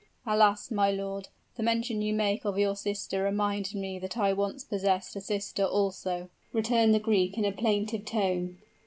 "Alas! my lord, the mention you make of your sister reminded me that I once possessed a sister also," returned the Greek in a plaintive tone.